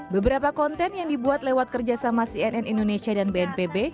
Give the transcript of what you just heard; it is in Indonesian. beberapa konten yang dibuat lewat kerjasama cnn indonesia dan bnpb